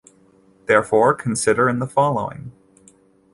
Therefore, consider in the following.